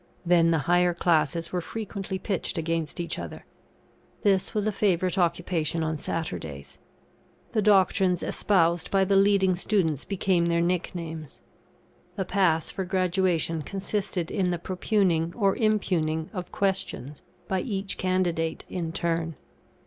Then the higher classes were frequently pitched against each other. This was a favourite occupation on Saturdays. The doctrines espoused by the leading students became their nicknames. The pass for Graduation consisted in the propugning or impugning of questions by each candidate in turn.